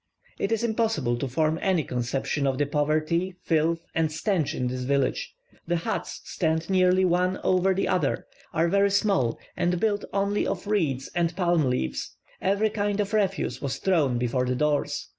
It is impossible to form any conception of the poverty, filth, and stench in this village; the huts stand nearly one over the other, are very small, and built only of reeds and palm leaves; every kind of refuse was thrown before the doors.